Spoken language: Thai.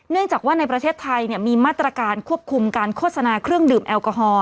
จากว่าในประเทศไทยมีมาตรการควบคุมการโฆษณาเครื่องดื่มแอลกอฮอล